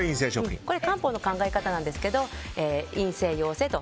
漢方の考え方なんですけど陰性、陽性と。